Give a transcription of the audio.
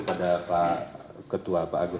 pada pak ketua pak agus